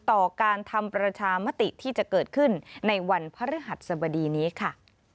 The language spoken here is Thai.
ต่อการทำประชามติที่จะเกิดขึ้นในวันพระฤหัสสบดีนี้ค่ะ